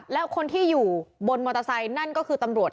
แล้วคนที่อยู่บนมอเตอร์ไซค์นั่นก็คือตำรวจ